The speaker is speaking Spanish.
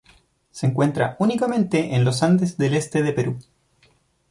Se encuentra únicamente en los Andes del este de Perú.